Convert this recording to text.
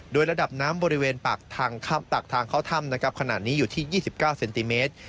โดยระดับน้ำบริเวณปากทางเขาถ้ำขนาดนี้อยู่ที่๒๙เซนติเมตร